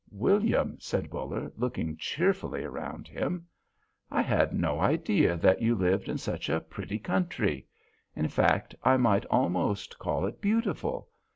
"William," said Buller, looking cheerfully around him, "I had no idea that you lived in such a pretty country. In fact, I might almost call it beautiful.